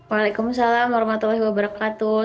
waalaikumsalam warahmatullahi wabarakatuh